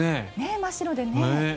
真っ白でね。